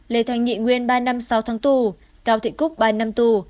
lê thành nhị nguyên ba năm sáu tháng tù cao thị cúc ba năm tù